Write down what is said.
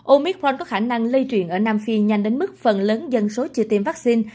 omicron có khả năng lây truyền ở nam phi nhanh đến mức phần lớn dân số chưa tiêm vaccine